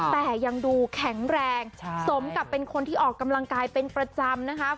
แต่ยังดูแข็งแรงสมกับเป็นคนที่ออกกำลังกายเป็นประจำนะคะ